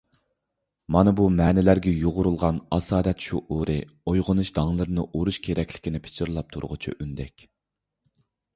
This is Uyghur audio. مانا بۇ مەنىلەرگە يۇغۇرۇلغان «ئاسارەت» شۇئۇرى ئويغىنىش داڭلىرىنى ئۇرۇش كېرەكلىكىنى پىچىرلاپ تۇرغۇچى ئۈندەك.